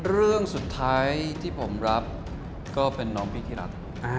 เรื่องสุดท้ายที่ผมรับก็เป็นน้องพิธีรัฐ